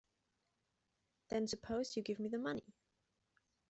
Then suppose you give me the money.